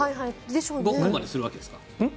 ゴックンまでするわけですか？